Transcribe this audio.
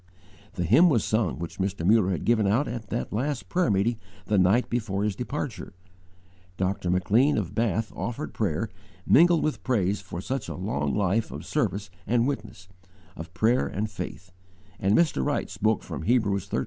The hymn was sung which Mr. Muller had given out at that last prayer meeting the night before his departure. Dr. Maclean of Bath offered prayer, mingled with praise for such a long life of service and witness, of prayer and faith, and Mr. Wright spoke from Hebrews xiii.